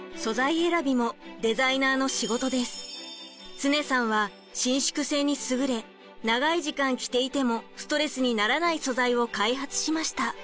常さんは伸縮性に優れ長い時間着ていてもストレスにならない素材を開発しました。